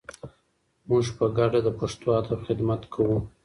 موږ په ګډه د پښتو ادب خدمت کوو.